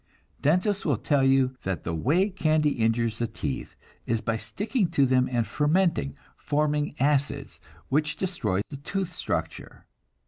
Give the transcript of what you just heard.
Dentists will tell you that the way candy injures the teeth is by sticking to them and fermenting, forming acids, which destroy the tooth structure.